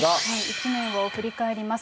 １年を振り返ります。